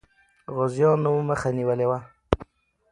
غازيان مخه نیولې وه.